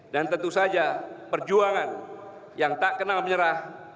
dan tentu saja perjuangan yang tak kenal menyerah